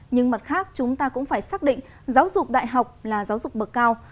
nhưng mặt khác chúng ta cũng phải xác định giáo dục đại học là giáo dục bậc cao